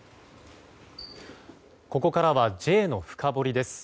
ここからはＪのフカボリです。